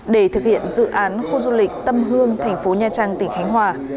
để thực hiện dự án khu du lịch tâm hương thành phố nha trang tỉnh khánh hòa